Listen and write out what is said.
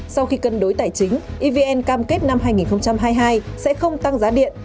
sau khi cân đối tài chính evn cam kết năm hai nghìn hai mươi hai sẽ không tăng giá điện